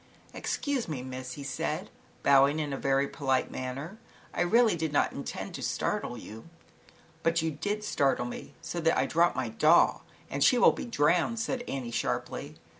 " Excuse me, Miss," he said, bowing in a very polite manner, " I really did ZAUBERLINDA, THE WISE WITCH. 93 not intend to startle you." "But, you did startle me, so that I dropped my doll and she will be drowned," said An nie, sharply.